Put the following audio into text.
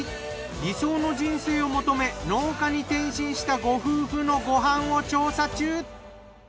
理想の人生を求め農家に転身したご夫婦のご飯を調査中。